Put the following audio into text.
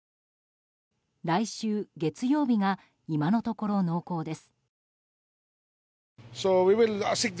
来週月曜日が今のところ濃厚です。